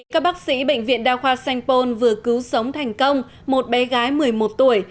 các bác sĩ bệnh viện đa khoa sanh pôn vừa cứu sống thành công một bé gái một mươi một tuổi